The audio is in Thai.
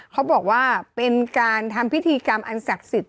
เขาบอกว่าเป็นการทำพิธีกรรมอันศักดิ์สิทธิ